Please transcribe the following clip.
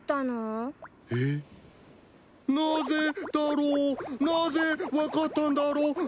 なぜだろう？なぜ分かったんだろう？